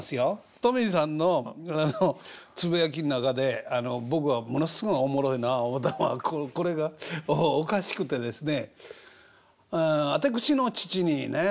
Ｔｏｍｙさんのつぶやきの中で僕がものすごいおもろいな思ったのはこれがおかしくてですね。